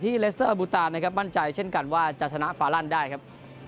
ที่เลสเตอร์บุตาลนะครับมั่นใจเช่นกันว่าจะทำแหน่งฟาลันด์ได้ครับ